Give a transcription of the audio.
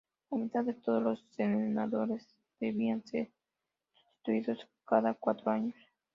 La mitad de todos los senadores debían ser sustituidos cada cuatro años.